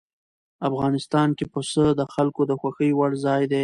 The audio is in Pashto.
افغانستان کې پسه د خلکو د خوښې وړ ځای دی.